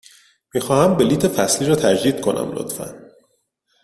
می خواهم بلیط فصلی را تجدید کنم، لطفاً.